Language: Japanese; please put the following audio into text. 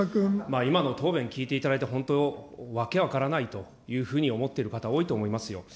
今の答弁聞いていただいて、本当、訳分からないというふうに思ってる方、多いと思いますよ。